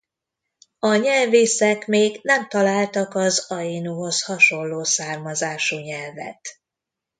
A nyelvészek még nem találtak az ainuhoz hasonló származású nyelvet.